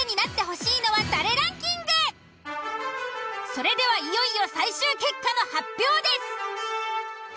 それではいよいよ最終結果の発表です。